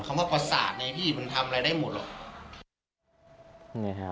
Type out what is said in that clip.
คำว่าประสาทไงพี่มันทำอะไรได้หมดหรอก